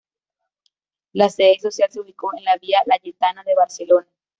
La sede social se ubicó en la Vía Layetana de Barcelona.